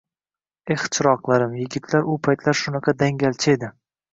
Eh, chiroqlarim, yigitlar u paytlar shunaqa dangalchi edi!